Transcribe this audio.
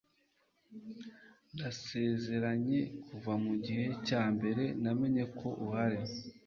ndasezeranye kuva mugihe cyambere namenye ko uhari